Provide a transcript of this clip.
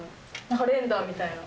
カレンダーみたいな。